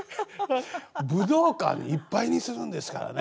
武道館いっぱいにするんですからね。